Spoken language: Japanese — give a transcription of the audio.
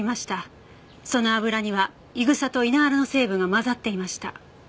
その油にはイグサと稲ワラの成分が混ざっていました。